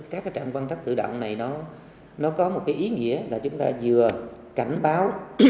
các trạm quan chắc tự động này có một ý nghĩa là chúng ta vừa cảnh báo